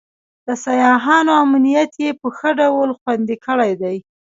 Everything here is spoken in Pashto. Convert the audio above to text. د سیاحانو امنیت یې په ښه ډول خوندي کړی دی.